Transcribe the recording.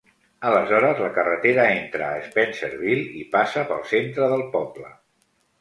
Aleshores, la carretera entra a Spencerville i passa pel centre del poble.